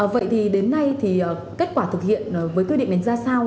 vậy thì đến nay thì kết quả thực hiện với quy định này ra sao